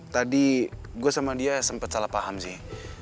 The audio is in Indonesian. tadi gue sama dia sempat salah paham sih